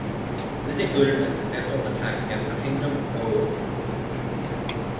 This included a successful attack against the Kingdom of Owo.